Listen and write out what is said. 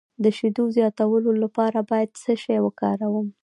د شیدو زیاتولو لپاره باید څه شی وکاروم؟